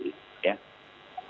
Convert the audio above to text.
horil juga tidak sendiri